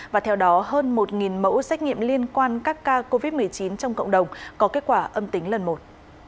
và theo đó hơn một mẫu xét nghiệm liên quan các ca covid một mươi chín trong cộng đồng có kết quả âm tính lần một